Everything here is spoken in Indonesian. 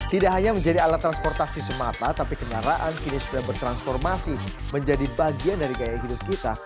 tidak hanya menjadi alat transportasi semata tapi kendaraan kini sudah bertransformasi menjadi bagian dari gaya hidup kita